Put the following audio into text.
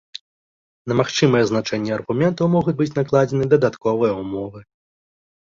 На магчымыя значэнні аргументаў могуць быць накладзеныя дадатковыя ўмовы.